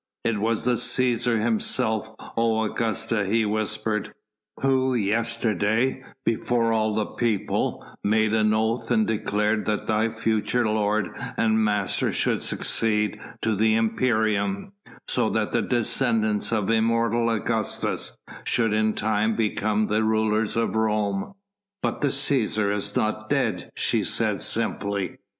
"It was the Cæsar himself, O Augusta," he whispered, "who yesterday, before all the people, made an oath and declared that thy future lord and master should succeed to the imperium, so that the descendants of immortal Augustus should in time become the rulers of Rome." "But the Cæsar is not dead," she said simply.